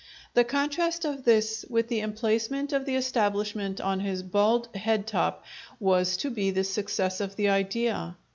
The contrast of this with the emplacement of the establishment on his bald head top was to be the success of the idea.